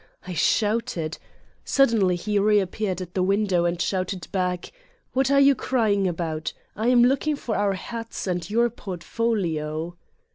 I shouted. Suddenly he reappeared at the window and shouted back : "What are you crying about? I am looking for our hats and your portfolio."